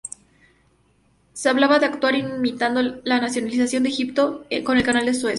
Se hablaba de actuar imitando la Nacionalización de Egipto con el Canal de Suez.